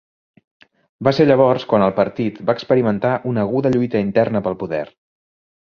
Va ser llavors quan el partit va experimentar una aguda lluita interna pel poder.